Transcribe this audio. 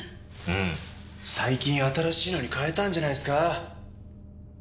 最近新しいのに替えたんじゃないですか？